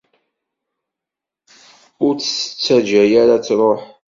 ur tt-tettaǧǧa ara ad truḥ.